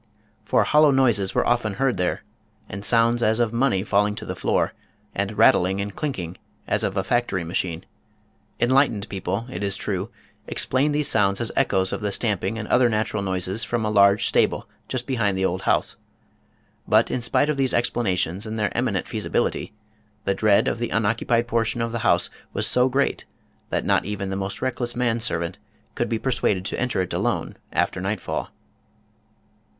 For hollow noises were often heard there, and sounds as of money falling on the floor, and rattling and clinking as of a factory machine. Enlightened people, it is true, explained these sounds as echoes of the stamping and other natural noises from a large stable just behind the old house. But in spite of these explanations and their eminent feasibility, the dread of the unoccupied portion of the house was so great that not even the most reckless man servant could be persuaded to enter it alone after nightfall.